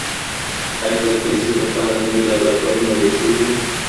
آیا د فزیک لپاره نوي لابراتوارونه جوړ سوي دي؟